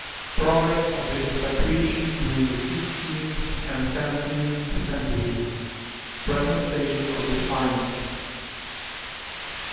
PROGRESS OF THE INFATUATION DURING THE SIXTEENTH AND SEVENTEENTH CENTURIES. PRESENT STATE OF THE SCIENCE.